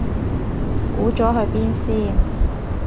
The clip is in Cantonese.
估咗去邊先